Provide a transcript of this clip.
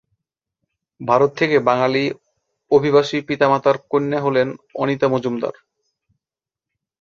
ভারত থেকে বাঙালি অভিবাসী পিতা-মাতার কন্যা হলেন অনিতা মজুমদার।